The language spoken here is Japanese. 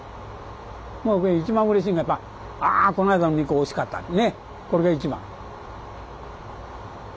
まあ一番うれしいのはやっぱ「あこの間の肉おいしかった」ってねこれが一番。